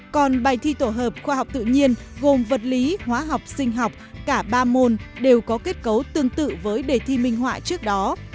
còn bài thi tổ hợp khoa học tự nhiên gồm vật lý hóa học sinh học cả ba môn đều có kết cấu tương tự với đề thi minh họa trước đó